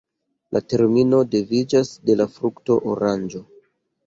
La termino deriviĝas de la frukto oranĝo.